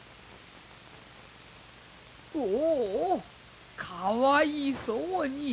おうおうかわいそうに。